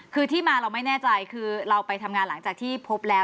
คือที่มาเราไม่แน่ใจคือเราไปทำงานหลังจากที่พบแล้ว